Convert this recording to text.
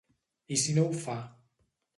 I si no ho fa?